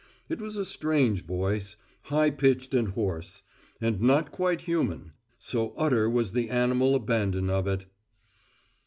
It was a strange voice: high pitched and hoarse and not quite human, so utter was the animal abandon of it.